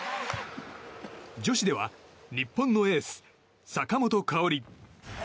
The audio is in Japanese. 女子では日本のエース、坂本花織。